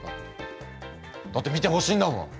だって見てほしいんだもん。